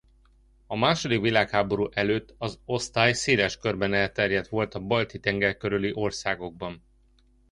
A második világháború előtt az osztály széles körben elterjedt volt a Balti-tenger körüli országokban.